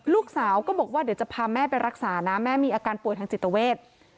ลูกสาวก็บอกว่าเดี๋ยวจะพาแม่ไปรักษานะแม่มีอาการป่วยทางจิตเวท